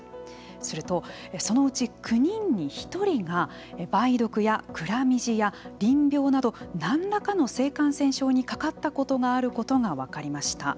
すると、そのうち９人に１人が梅毒やクラミジア、りん病など何らかの性感染症にかかったことがあることが分かりました。